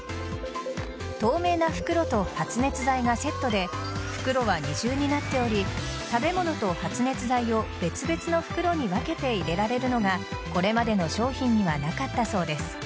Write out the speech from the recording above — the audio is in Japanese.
透明な袋と発熱材がセットで袋は二重になっており食べ物と発熱材を別々の袋に分けて入れられるのがこれまでの商品にはなかったそうです。